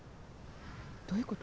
どういうこと？